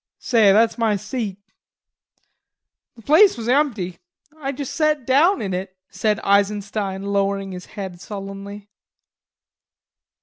Say that's my seat." "The place was empty.... I sat down in it," said Eisenstein, lowering his head sullenly.